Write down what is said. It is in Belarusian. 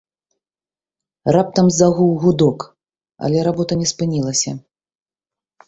Раптам загуў гудок, але работа не спынілася.